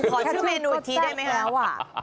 ขอชื่อเมนูอีกทีได้ไหมครับ